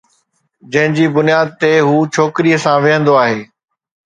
جنهن جي بنياد تي هو ڇوڪريءَ سان ويهندو آهي